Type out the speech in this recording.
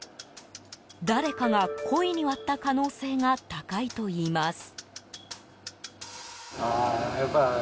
誰かが故意に割った可能性が高いといいます。